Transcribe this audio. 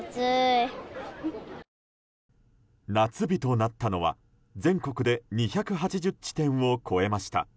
夏日となったのは、全国で２８０地点を超えました。